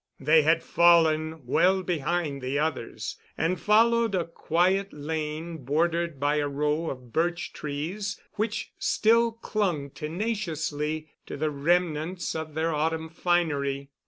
They had fallen well behind the others, and followed a quiet lane bordered by a row of birch trees which still clung tenaciously to the remnants of their autumn finery.